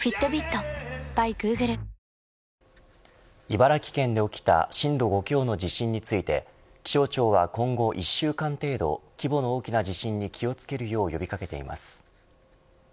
茨城県で起きた震度５強の地震について気象庁は、今後１週間程度規模の大きな地震に気をつけるよう呼び掛けています。